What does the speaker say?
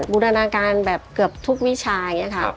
บูรณาการแบบเกือบทุกวิชาอย่างนี้ค่ะ